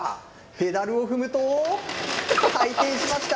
ペダルを踏むと、回転しました。